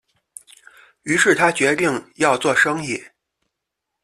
於是他决定要做生意